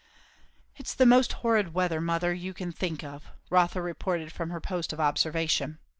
"It's the most horrid weather, mother, you can think of!" Rotha reported from her post of observation.